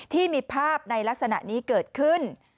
ที่มีภาพในลักษณะนี้เกิดขึ้น